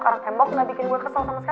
karena tembok gak bikin gue kesel sama sekali